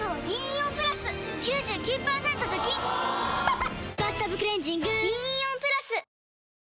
・おぉ「バスタブクレンジング」銀イオンプラス！